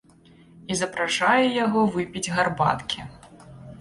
І запрашае яго выпіць гарбаткі.